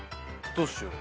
どうしよう。